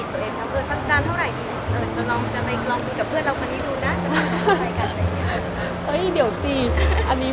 จริงเราให้เรียนหินตัวเองค่ะ